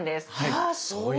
はあそう。